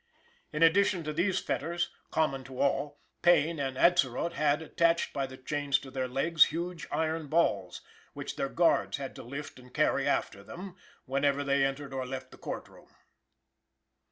In addition to these fetters, common to all, Payne and Atzerodt had, attached by chains to their legs, huge iron balls, which their guards had to lift and carry after them whenever they entered or left the Court room.